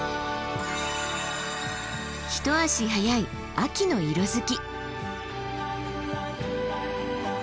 一足早い秋の色づき。